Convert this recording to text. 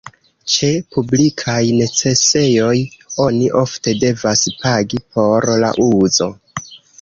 Ĉe publikaj necesejoj oni ofte devas pagi por la uzo.